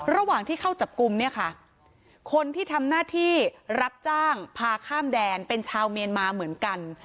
ระหว่างที่เข้าจับกลุ่มเนี่ยค่ะคนที่ทำหน้าที่รับจ้างพาข้ามแดนเป็นชาวเมียนมาเหมือนกัน